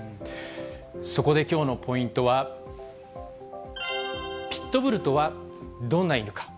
そこできょうのポイントは、ピットブルとはどんな犬か。